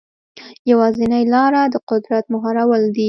یوازینۍ لاره د قدرت مهارول دي.